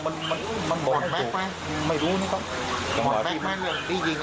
มันมันมันไม่รู้นะครับไม่รู้ไม่รู้มียิงอ่ะ